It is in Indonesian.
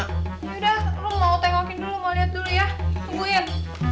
ya udah lo mau tengokin dulu mau liat dulu ya tungguin